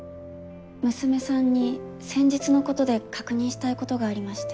娘さんに先日のことで確認したいことがありまして。